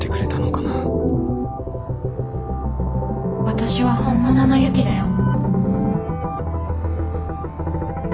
私は本物のユキだよ。